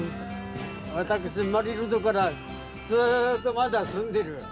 私生まれるとからずっとまだ住んでる。